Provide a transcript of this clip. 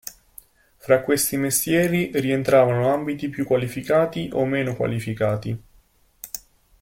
Fra questi mestieri rientravano ambiti più qualificati o meno qualificati.